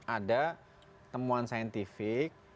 ada temuan saintifik